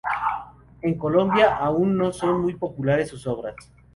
En Colombia, aún hoy son muy populares sus obras.